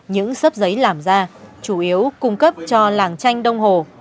những sấp giấy làm ra chủ yếu cung cấp cho làng tranh đông hồ